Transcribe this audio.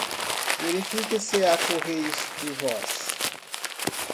Verifique se há correios de voz.